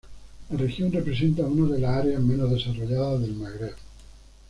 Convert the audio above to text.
La región representa una de las áreas menos desarrolladas del Maghreb.